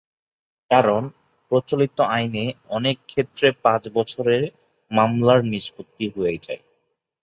কারণ, প্রচলিত আইনে অনেক ক্ষেত্রে পাঁচ বছরে মামলার নিষ্পত্তি হয়ে যায়।